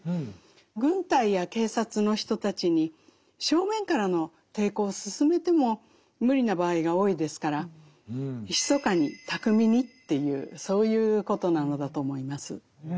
軍隊や警察の人たちに正面からの抵抗を勧めても無理な場合が多いですから密かに巧みにっていうそういうことなのだと思います。